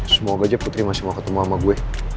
semoga aja putri masih mau ketemu sama gue